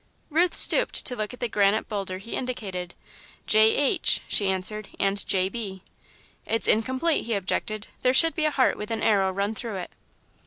Ruth stooped to look at the granite boulder he indicated. "J. H.," she answered, "and J. B." "It's incomplete," he objected; "there should be a heart with an arrow run through it."